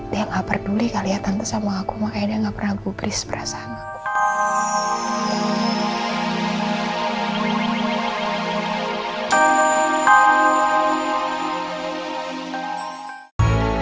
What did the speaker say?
dia gak peduli kali ya tante sama aku makanya gak pernah gubris perasaan aku